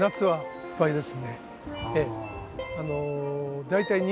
はい。